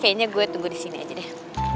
kayaknya gue tunggu di sini aja deh